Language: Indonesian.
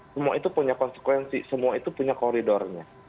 semua itu punya konsekuensi semua itu punya koridornya